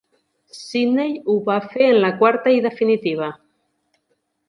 Sydney ho va fer en la quarta i definitiva.